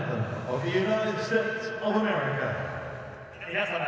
皆様